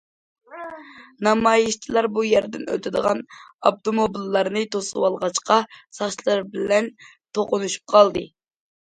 نامايىشچىلار بۇ يەردىن ئۆتىدىغان ئاپتوموبىللارنى توسۇۋالغاچقا، ساقچىلار بىلەن توقۇنۇشۇپ قالدى.